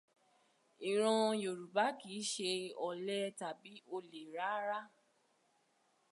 Ìran Yorùbá kìí ṣe ọ̀lẹ tàbí olè rárá.